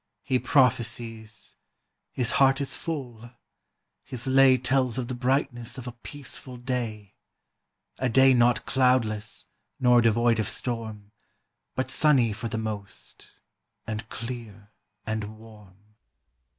"He prophesies, his heart is full; his lay Tells of the brightness of a peaceful day; A day not cloudless, nor devoid of storm, But sunny for the most, and clear and warm."